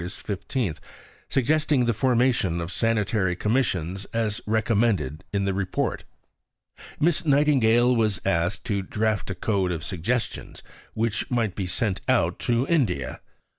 15) suggesting the formation of Sanitary Commissions as recommended in the Report. Miss Nightingale was asked to draft a code of suggestions which might be sent out to India.